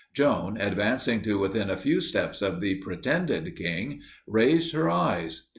Joan, advancing to within a few steps of the pretended king, raised her eyes.